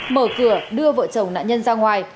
mở cửa đưa vợ chồng nạn nhân ra ngoài